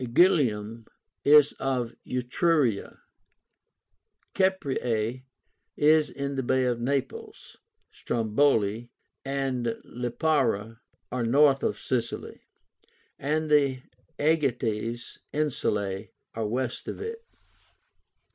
IGILIUM is off Etruria; CAPREAE is in the Bay of Naples; STRONGYLE (Strombóli) and LIPARA are north of Sicily, and the AEGÁTES INSULAE are west of it.